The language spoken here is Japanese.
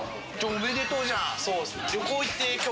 おめでとうじゃん。